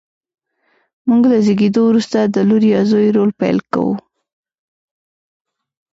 موږ له زېږېدو وروسته د لور یا زوی رول پیل کوو.